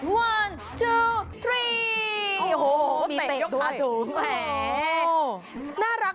โอ้โหมีเตะด้วยมีเตะยกขาถูก